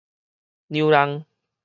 讓人